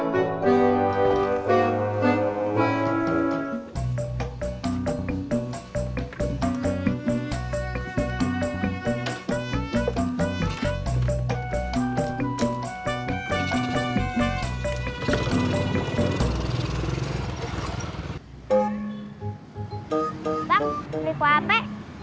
bang beli kue apa